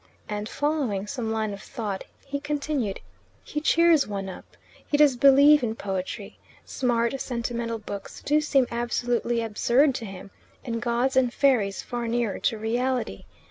And following some line of thought, he continued, "He cheers one up. He does believe in poetry. Smart, sentimental books do seem absolutely absurd to him, and gods and fairies far nearer to reality.